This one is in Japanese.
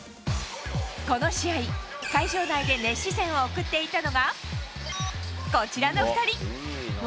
この試合、会場内で熱視線を送っていたのがこちらの２人。